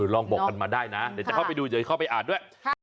ลองบอกกันมาได้นะเดี๋ยวจะเข้าไปดูเดี๋ยวจะเข้าไปอ่านด้วย